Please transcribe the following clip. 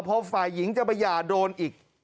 พอฝ่ายหญิงจะไปหย่าโดนอีก